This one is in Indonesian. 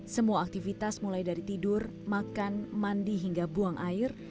semua aktivitas mulai dari tidur makan mandi hingga buang air